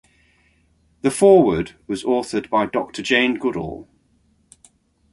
The foreword was authored by Doctor Jane Goodall.